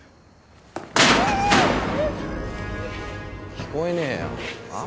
聞こえねえよあぁ？